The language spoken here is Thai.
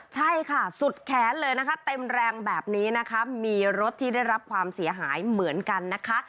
ใช่ค่ะสุดแขนเลยนะคะเต็มแรงแบบนี้นะคะมีรถที่ได้รับความเสียหายเหมือนกันนะคะ